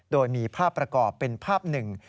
โดยมีภาพประกอบเป็นภาพหนึ่ง